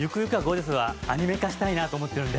ジャスはアニメ化したいなと思ってるんで。